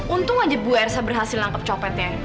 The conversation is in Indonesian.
untung aja bu ersa berhasil menangkap copetnya